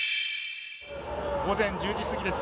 午前１０時過ぎです。